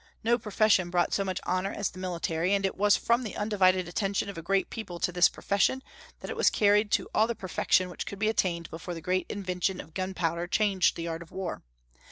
No profession brought so much honor as the military; and it was from the undivided attention of a great people to this profession, that it was carried to all the perfection which could be attained before the great invention of gunpowder changed the art of war.